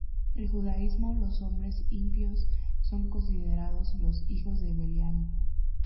En el judaísmo los hombres impíos son considerados los "hijos de Belial".